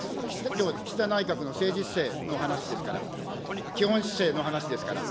きょう、岸田内閣の政治姿勢の話ですから、基本姿勢の話ですから。